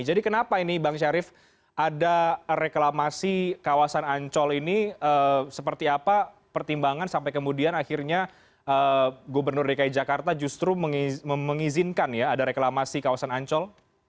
jadi kenapa ini bang syarif ada reklamasi kawasan ancol ini seperti apa pertimbangan sampai kemudian akhirnya gubernur dki jakarta justru mengizinkan ya ada reklamasi kawasan ancol